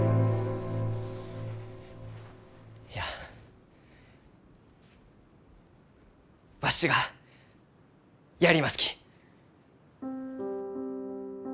いやわしはやりますき。